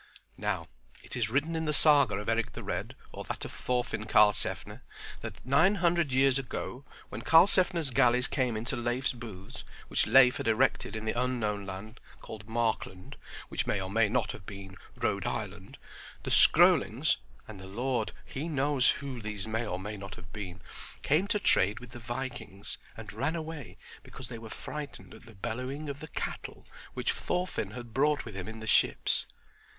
Now it is written in the Saga of Eric the Red or that of Thorfin Karlsefne, that nine hundred years ago when Karlsefne's galleys came to Leif's booths, which Leif had erected in the unknown land called Markland, which may or may not have been Rhode Island, the Skroelings—and the Lord He knows who these may or may not have been—came to trade with the Vikings, and ran away because they were frightened at the bellowing of the cattle which Thorfin had brought with him in the ships.